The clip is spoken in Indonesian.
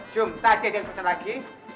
jom tadi ada yang pesen lagi